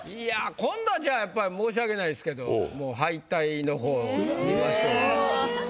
今度はじゃあやっぱ申し訳ないですけど敗退の方見ましょう。